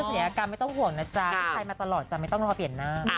สายกรรมไม่ต้องห่วงนะจ๊ะใครมาตลอดจะไม่ต้องรอเปลี่ยนหน้า